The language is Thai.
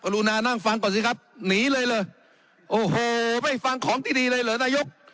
รุนาน่ำน่างฟังก่อสิครับนีเลยเลยโอ้โหไม่ฟังของดีดีเลยหรือไง